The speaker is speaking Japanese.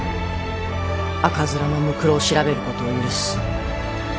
赤面の骸を調べることを許す。